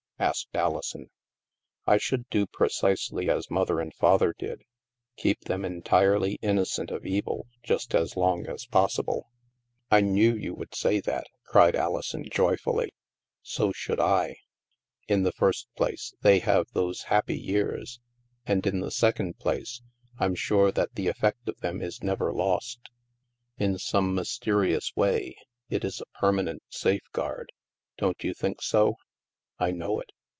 " asked Alison. " I should do precisely as Mother and Father did — keep them entirely innocent of evil just as long as possible." THE MAELSTROM 221 " I knew you would say that," cried Alison joy fully. " So should I. In the first place, they have those happy years ; and, in the second place, Fm sure that the effect of them is never lost. In some mys terious way, it is a permanent safeguard. Don't you think so? "" I know it.